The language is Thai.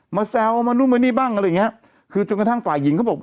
แซวมานู่นมานี่บ้างอะไรอย่างเงี้ยคือจนกระทั่งฝ่ายหญิงเขาบอก